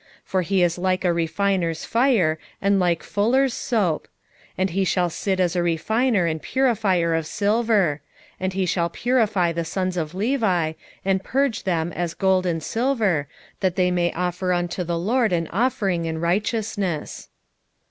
for he is like a refiner's fire, and like fullers' soap: 3:3 And he shall sit as a refiner and purifier of silver: and he shall purify the sons of Levi, and purge them as gold and silver, that they may offer unto the LORD an offering in righteousness.